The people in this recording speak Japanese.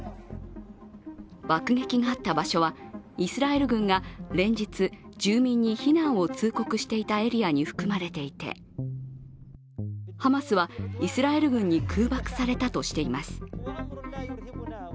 爆撃があった場所はイスラエル軍が連日住民に避難を通告していたエリアに含まれていてハマスは、イスラエル軍に空爆されたとしています。